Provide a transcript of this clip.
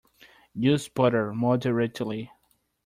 Use butter moderately.